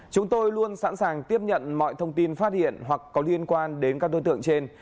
chúng tôi luôn sẵn sàng tiếp nhận mọi thông tin phát hiện hoặc có liên quan đến các đối tượng trên